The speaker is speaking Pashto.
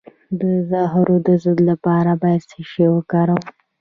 د زهرو د ضد لپاره باید څه شی وکاروم؟